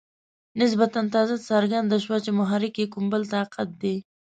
نسبتاً تازه څرګنده شوه چې محرک یې کوم بل طاقت دی.